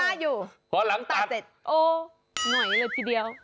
หน่อยเลยทีเดียว